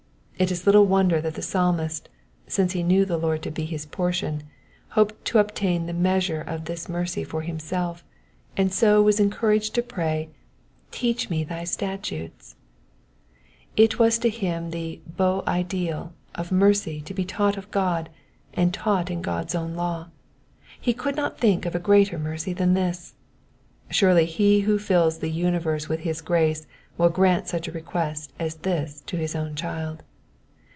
It is little wonder that the Psalmist, 'since he knew the Lord to be his portion, hoped to obtain a measure of this mercy for himself, and so was encouraged to pray, ^^ teach me thy statute.'*'* It was to him the 'beau ideal of mercy to be taught of God, and taught in God's own law. He could not think of a greater mercy than this. Surely he who fills the universe with his grace will grant such a request as this to his own child.